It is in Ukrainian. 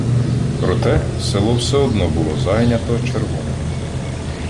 Проте, село все одно було зайнято «червоними».